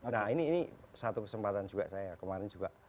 nah ini satu kesempatan juga saya kemarin juga